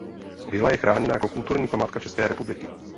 Vila je chráněna jako kulturní památka České republiky.